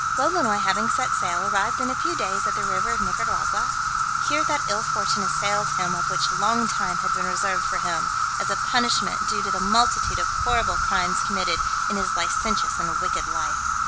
Lolonois having set sail, arrived in a few days at the river of Nicaragua: here that ill fortune assailed him which of long time had been reserved for him, as a punishment due to the multitude of horrible crimes committed in his licentious and wicked life.